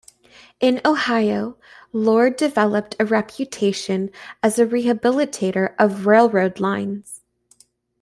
In Ohio, Lord developed a reputation as a rehabilitator of railroad lines.